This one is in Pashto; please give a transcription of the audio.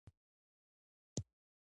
ایا زما ټوخی به ښه شي؟